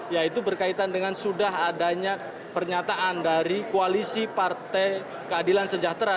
yaitu berkaitan dengan sudah adanya pernyataan dari koalisi partai keadilan sejahtera